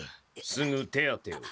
すぐ手当てを。